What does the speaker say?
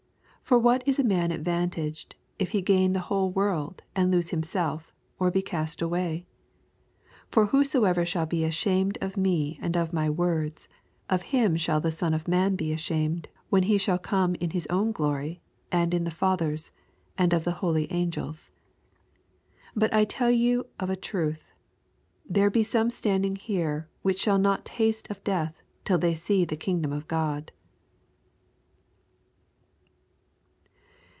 25 For what is a man advantaged, if he gain the whole world, and lose himself, or he cast away t 26 For whosoever shall be ashamed of me and of my words, of him shall the Son of man he ashamed, when he shall come in his own glorv, and in his Father^s, and of the holy angels. 27 But I tell you of a truth, there be some standing here, which shall not taste of death, till they see the kingdom of God.